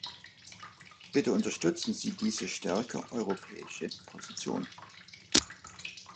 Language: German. Bitte unterstützen Sie diese stärker europäische Position.